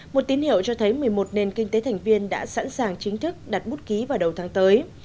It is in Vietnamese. một tín hiệu cho thấy một mươi một nền kinh tế thành viên đã sẵn sàng chính thức đặt bút ký vào đầu tháng tới